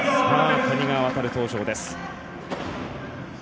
谷川航、登場です。